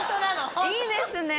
いいですね